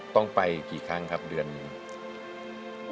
ต้องไปกี่ครั้งครับเดือนหนึ่ง